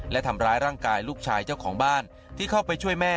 และทำร้ายร่างกายลูกชายเจ้าของบ้านที่เข้าไปช่วยแม่